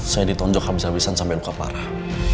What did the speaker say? saya ditonjok habis habisan sampai luka parah